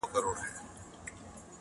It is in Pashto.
راسه چي زړه ښه درته خالي كـړمـه.